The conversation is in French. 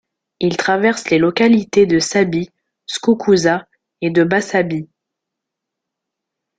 Il traverse les localités de Sabie, Skukuza et de Bas-Sabie.